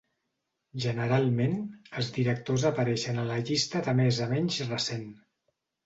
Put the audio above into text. Generalment, els directors apareixen a la llista de més a menys recent.